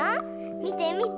みてみて！